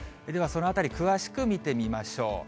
ではそのあたり、詳しく見てみましょう。